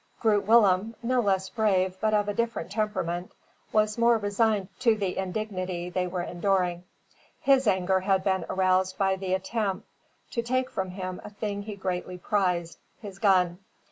Groot Willem, no less brave but of a different temperament, was more resigned to the indignity they were enduring. His anger had been aroused by the attempt to take from him a thing he greatly prized, his gun.